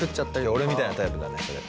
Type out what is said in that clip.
俺みたいなタイプだねそれ。